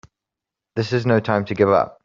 This is no time to give up!